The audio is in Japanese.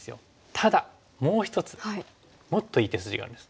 ただもう一つもっといい手筋があるんです。